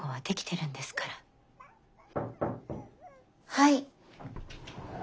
はい。